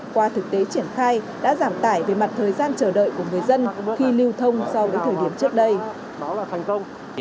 qua thực tế triển khai đã giảm tải về mặt thời gian chờ đợi của người dân khi lưu thông sau thời điểm trước đây